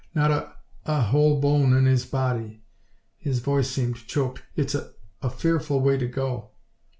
Not a a whole bone in his body." His voice seemed choked. "It's a a fearful way to go."